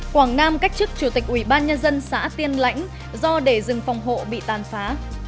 quảng nam cách chức chủ tịch ủy ban nhân dân xã tiên lãnh do để rừng phòng hộ bị tàn phá